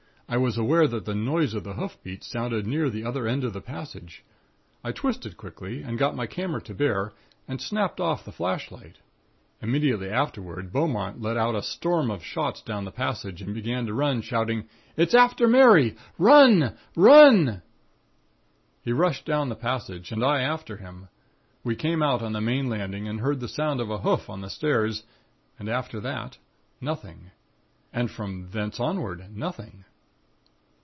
I was aware that the noise of the hoof beats sounded near the other end of the passage. I twisted quickly and got my camera to bear and snapped off the flashlight. Immediately afterward, Beaumont let fly a storm of shots down the passage and began to run, shouting: 'It's after Mary. Run! Run!' "He rushed down the passage and I after him. We came out on the main landing and heard the sound of a hoof on the stairs and after that, nothing. And from thence onward, nothing.